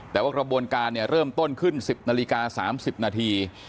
แต่ว่ากระบวนการเริ่มต้นขึ้น๑๐นาฬิกา๓๐นาที